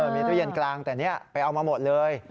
มีตู้เย็นกลางแต่นี่ไปเอามาหมดเลย